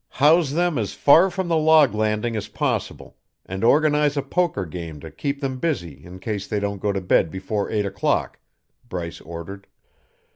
"House them as far from the log landing as possible, and organize a poker game to keep them busy in case they don't go to bed before eight o'clock," Bryce ordered.